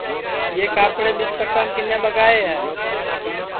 یہ کاپڑے ٻیچ پٹام کِنے ٻگائے ہے